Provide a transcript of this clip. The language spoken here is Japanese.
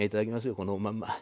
このおまんま。